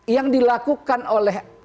yang dilakukan oleh